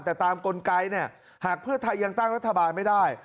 แต่ตามกลไกเนี่ยหากเพื่อไทยยังตั้งรัฐบาลไม่ได้